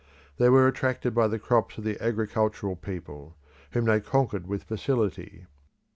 They were attracted by the crops of the agricultural people, whom they conquered with facility.